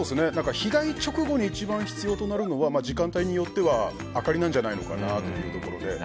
被害直後に一番必要となるのは時間帯によっては明かりなんじゃないかなというところで。